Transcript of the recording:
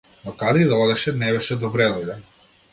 Но каде и да одеше, не беше добредојден.